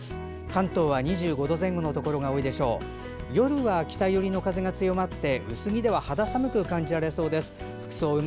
関東は２５度前後のところが多いでしょう。